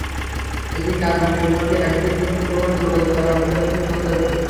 এদিকে আলমগীরের সঙ্গে একাধিকবার মুঠোফোনে যোগাযোগ করা হলেও তিনি ফোন ধরেননি।